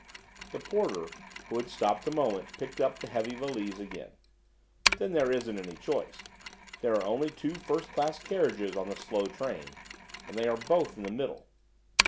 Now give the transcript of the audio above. The porter, who had stopped a moment, picked up the heavy valise again. "Then there isn't any choice. There are only two first class carriages on the slow train, and they are both in the middle."